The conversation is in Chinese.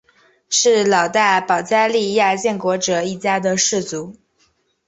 是老大保加利亚建国者一家的氏族。